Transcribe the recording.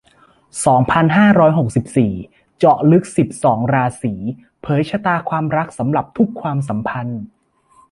สองพันห้าร้อยหกสิบสี่ เจาะลึก สิบสอง ราศี เผยชะตาความรักสำหรับทุกความสัมพันธ์